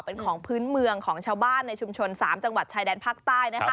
เป็นของพื้นเมืองของชาวบ้านในชุมชน๓จังหวัดชายแดนภาคใต้